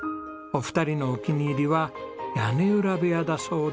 お二人のお気に入りは屋根裏部屋だそうですけど。